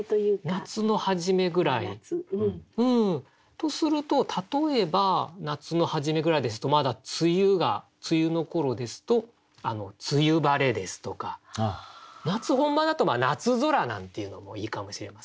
夏の初めぐらい。とすると例えば夏の初めぐらいですとまだ梅雨の頃ですと「梅雨晴」ですとか夏本番だと「夏空」なんていうのもいいかもしれませんね。